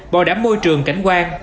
bảo đảm môi trường cảnh quan